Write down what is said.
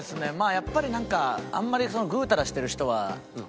やっぱりなんかあんまりぐうたらしてる人は。